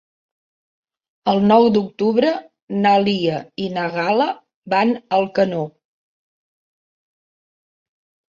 El nou d'octubre na Lia i na Gal·la van a Alcanó.